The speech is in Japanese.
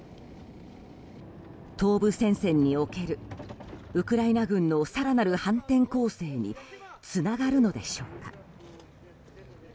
東部戦線におけるウクライナ軍の更なる反転攻勢につながるのでしょうか。